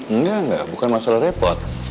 enggak enggak bukan masalah repot